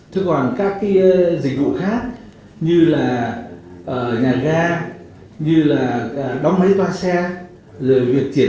thứ còn các dịch vụ khác như là nhà ga như là đóng máy toa xe